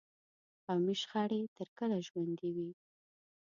قومي شخړې تر کله ژوندي وي.